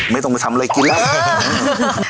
ไม่ต้องไปทำอะไรกินแล้ว